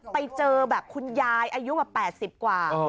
ไปเจอแบบคุณยายอายุแบบ๘๐กว่า